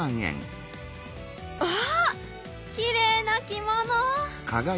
あっきれいな着物！